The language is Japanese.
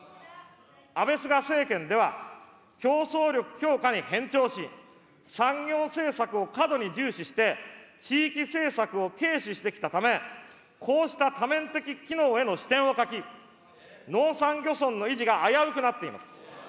安倍・菅政権では、競争力強化に偏重し、産業政策を過度に重視して、地域政策を軽視してきたため、こうした多面的機能への視点を欠き、農山漁村の維持が危うくなっています。